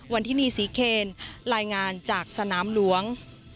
ทินีศรีเคนรายงานจากสนามหลวง